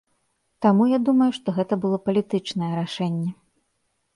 Таму я думаю, што гэта было палітычнае рашэнне.